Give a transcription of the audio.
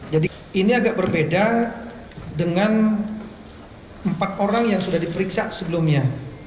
jadi ini agak berbeda dengan empat orang yang sudah diperiksa sebelumnya